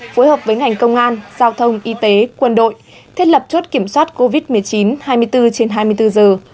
phối hợp với ngành công an giao thông y tế quân đội thiết lập chốt kiểm soát covid một mươi chín hai mươi bốn trên hai mươi bốn giờ